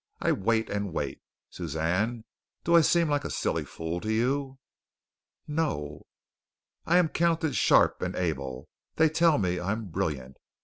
I wait and wait. Suzanne, do I seem like a silly fool to you?" "No." "I am counted sharp and able. They tell me I am brilliant.